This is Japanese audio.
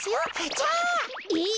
じゃあ！えっ？